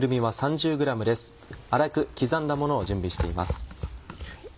粗く刻んだものを準備しています。